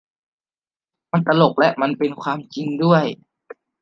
มันตลกและมันก็เป็นความจริงด้วย